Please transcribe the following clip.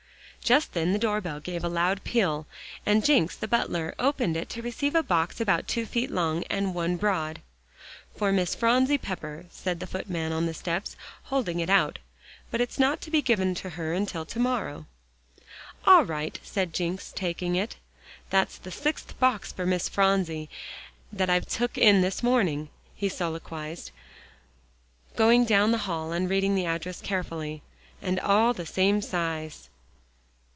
Just then the door bell gave a loud peal, and Jencks the butler opened it to receive a box about two feet long and one broad. "For Miss Phronsie Pepper," said the footman on the steps, holding it out, "but it's not to be given to her till to morrow." "All right," said Jencks, taking it. "That's the sixth box for Miss Phronsie that I've took in this morning," he soliloquized, going down the hall and reading the address carefully. "And all the same size."